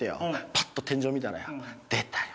パッと天井見たらや出たよ